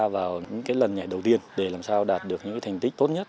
vào những lần nhảy đầu tiên để làm sao đạt được những thành tích tốt nhất